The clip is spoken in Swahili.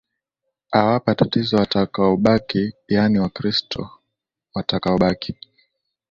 awapa tatizo watakaobaki yaani wakristo watakaobaki